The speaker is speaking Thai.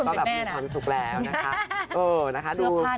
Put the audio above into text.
ก็แบบมีความสุขแล้วนะคะ